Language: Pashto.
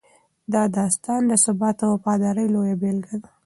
دا داستان د ثبات او وفادارۍ لویه بېلګه ده.